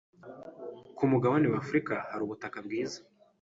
ku mugabane w’Afurika hari ubutaka bwiza